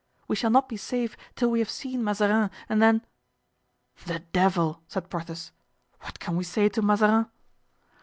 We shall not be safe till we have seen Mazarin, and then——" "The devil!" said Porthos; "what can we say to Mazarin?"